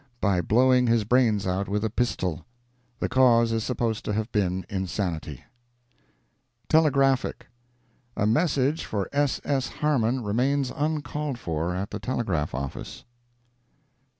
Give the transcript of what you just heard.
by blowing his brains out with a pistol. The cause is supposed to have been insanity. TELEGRAPHIC.—A message for S. S. Harman remains uncalled for at the Telegraph office.